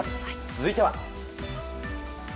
続いては。